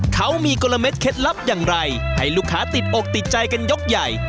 เขามีกลมเด็ดเคล็ดลับอย่างไรให้ลูกค้าติดอกติดใจกันยกใหญ่